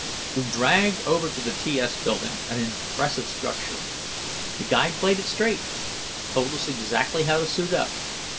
We dragged over to the TS building, an impressive structure. The guide played it straight, told us exactly how to suit up.